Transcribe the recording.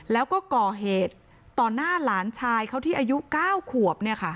แล้วก็ก่อเหตุต่อหน้าหลานชายเขาที่อายุ๙ขวบ